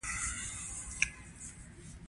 ته چېرته يې